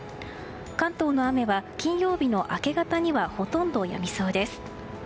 関東の雨は、金曜日の明け方にはほとんどやみそうです。